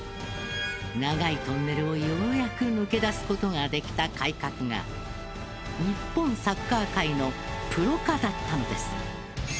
長いトンネルをようやく抜け出すことができた改革が日本サッカー界のプロ化だったのです。